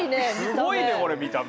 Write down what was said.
すごいねこれ見た目。